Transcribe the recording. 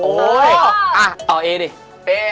โอ้โหอ่ะต่อเอนะ